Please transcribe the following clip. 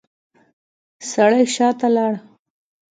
سړی شاته لاړ.